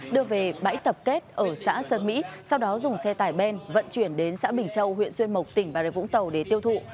đưa về bãi tập kết ở xã sơn mỹ sau đó dùng xe tải ben vận chuyển đến xã bình châu huyện xuyên mộc tỉnh bà rệ vũng tàu để tiêu thụ